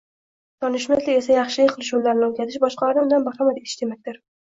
Donishmandlik esa yaxshilik qilish yo‘llarini o‘rgatish, boshqalarni undan bahramand etish demakdir